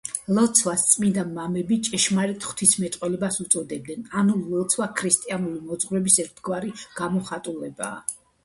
ლოცვას წმიდა მამები „ჭეშმარიტ ღვთისმეტყველებას“ უწოდებენ, ანუ ლოცვა ქრისტიანული მოძღვრების ერთგვარი გამოხატულებაა.